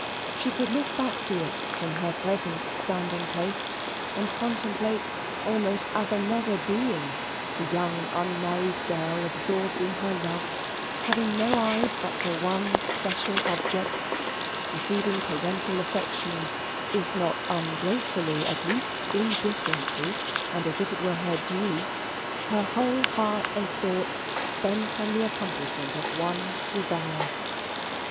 She could look back to it from her present standing place, and contemplate, almost as another being, the young unmarried girl absorbed in her love, having no eyes but for one special object, receiving parental affection if not ungratefully, at least indifferently, and as if it were her due her whole heart and thoughts bent on the accomplishment of one desire.